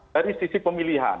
dari sisi pemilihan